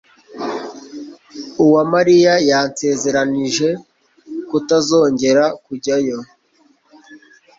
Uwamariya yansezeranije kutazongera kujyayo.